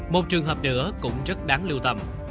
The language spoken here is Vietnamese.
một trường hợp nữa cũng rất đáng lưu tâm